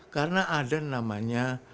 karena ada namanya